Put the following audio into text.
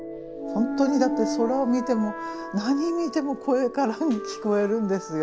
ほんとにだって空を見ても何見ても声聞こえるんですよ。